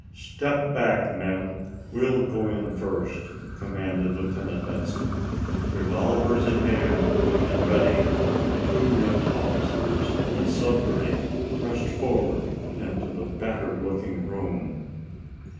"Step back, men! We'll go in first," commanded Lieutenant Benson. Revolvers in hand, and ready, the two young officers of the "Sudbury" pressed forward into the battered looking room.